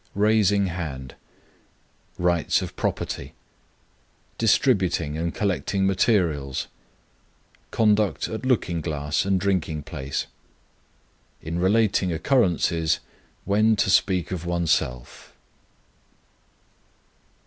_ Raising hand. Rights of property. Distributing and collecting materials. Conduct at looking glass and drinking place. _In relating occurrences, when to speak of one's self.